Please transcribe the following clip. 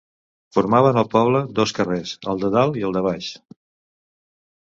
Formaven el poble dos carrers, el de Dalt i el de Baix.